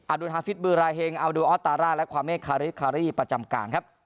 ดูฮาฟิตบือราเฮงอัลดูออสตาร่าและความเมฆคาริคารี่ประจำการครับ